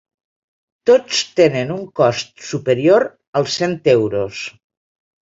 Tots tenen un cost superior als cent euros.